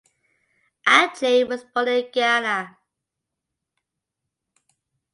Adjei was born in Ghana.